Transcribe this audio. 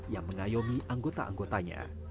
yang mengayomi anggota anggotanya